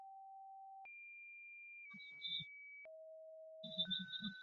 光叶娃儿藤为夹竹桃科娃儿藤属娃儿藤的变种。